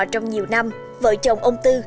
trong nhiều năm vợ chồng ông tư